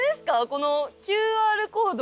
このＱＲコード。